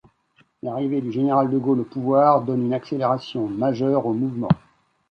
L'arrivée du général de Gaulle au pouvoir donne une accélération majeure au mouvement.